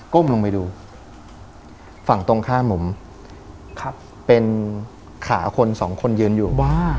้มลงไปดูฝั่งตรงข้ามผมเป็นขาคนสองคนยืนอยู่